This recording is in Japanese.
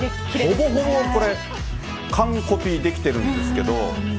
ほぼほぼこれ、完コピできてるんですけど。